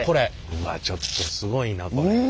うわちょっとすごいなこれ。